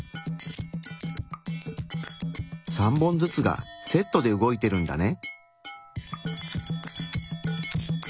３本ずつがセットで動いてるんだね。